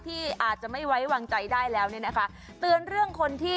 ที่อาจจะไม่ไว้วางใจได้แล้ว